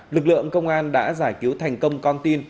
lực lượng công an đã giải cứu thành công con tin